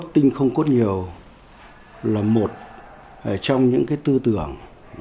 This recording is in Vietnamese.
tinh không cốt nhiều là một trong những tư tưởng